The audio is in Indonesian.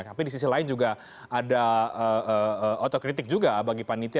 tapi di sisi lain juga ada otokritik juga bagi panitia